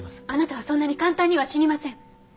あなたはそんなに簡単には死にません。